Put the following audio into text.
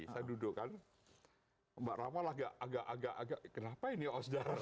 saya duduk kan mbak rama lagi agak agak kenapa ini osdar